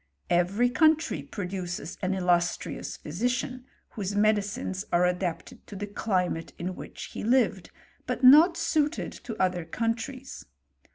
Every country pro 4uces an illustrious physician, whose medicines are adapted to the climate in which he lived, but not suited to other countries.